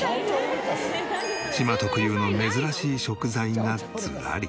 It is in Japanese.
島特有の珍しい食材がずらり。